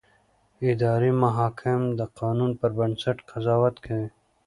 اداري محاکم د قانون پر بنسټ قضاوت کوي.